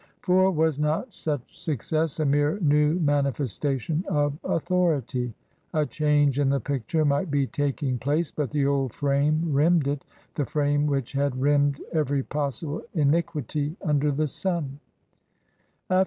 For was not such success a mere new manifestation of authority? A change in the picture might be taking place, but the old frame rimmed it — the frame which had rimmed every possible iniquity under the sun.